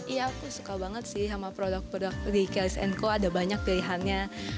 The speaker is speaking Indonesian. ya aku suka banget sih sama produk produk di kelly sanko ada banyak pilihannya